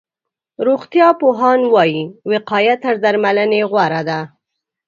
روغتيا پوهان وایي، وقایه تر درملنې غوره ده.